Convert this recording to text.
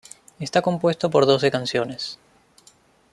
Está compuesto por doce canciones.